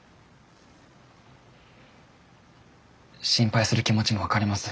心配する気持ちも分かります。